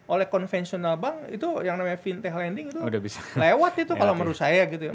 oleh konvensional bank itu yang namanya fintech lending itu lewat itu kalau menurut saya gitu ya